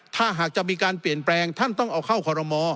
ถ้าหากจะมีการเปลี่ยนแปลงท่านต้องเอาเข้าคอรมอ